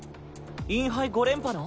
インハイ５連覇の？